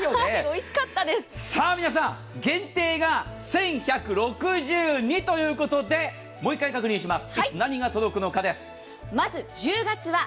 さあ皆さん、限定が１１６２ということでもう一回確認します。